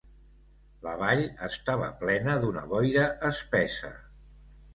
La vall estava plena d'una boira espessa.